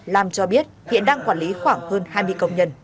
lam cho biết hiện đang quản lý khoảng hơn hai mươi công nhân